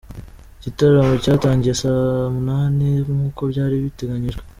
Igitaramo cyatangiye saa munani nk’uko byari biteganyijwe.